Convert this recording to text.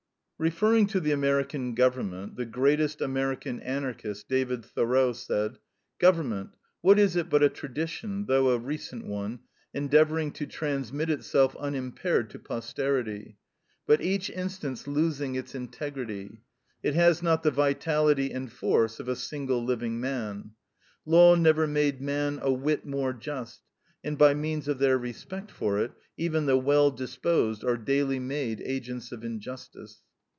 Referring to the American government, the greatest American Anarchist, David Thoreau, said: "Government, what is it but a tradition, though a recent one, endeavoring to transmit itself unimpaired to posterity, but each instance losing its integrity; it has not the vitality and force of a single living man. Law never made man a whit more just; and by means of their respect for it, even the well disposed are daily made agents of injustice."